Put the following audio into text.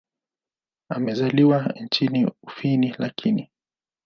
Amezaliwa nchini Ufini lakini.